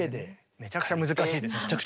めちゃくちゃ難しい。